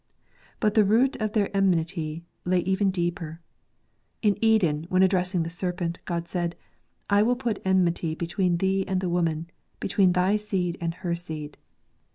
But the root of their enmity lay even deeper. In Eden, when addressing the serpent, God said: "I will put enmity between thee and the woman, and between thy seed and her seed."